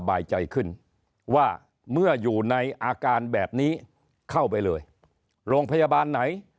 บายใจขึ้นว่าเมื่ออยู่ในอาการแบบนี้เข้าไปเลยโรงพยาบาลไหน